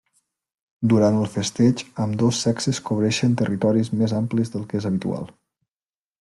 Durant el festeig, ambdós sexes cobreixen territoris més amples del que és habitual.